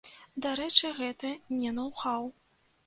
Дарэчы, гэта не ноў-хаў.